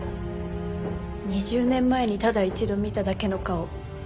２０年前にただ一度見ただけの顔。